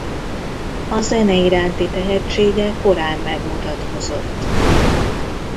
A zene iránti tehetsége korán megmutatkozott.